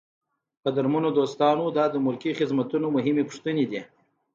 قدرمنو دوستانو دا د ملکي خدمتونو مهمې پوښتنې دي.